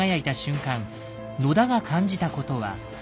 野田が感じたことは。